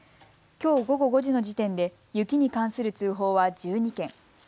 きょう午後５時の時点で雪に関する通報は１２件。